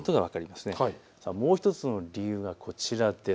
そしてもう１つの理由がこちらです。